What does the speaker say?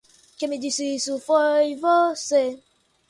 Quem me disse isso foi você!